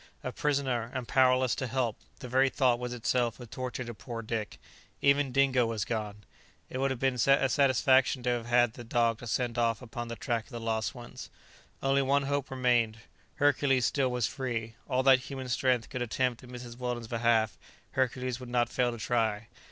A prisoner, and powerless to help! the very thought was itself a torture to poor Dick. Even Dingo was gone! It would have been a satisfaction to have had the dog to send off upon the track of the lost ones. One only hope remained. Hercules still was free. All that human strength could attempt in Mrs. Weldon's behalf, Hercules would not fail to try.